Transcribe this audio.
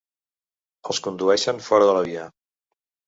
Els condueixen fora de la via.